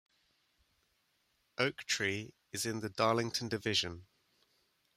Oak Tree is in the Darlington division.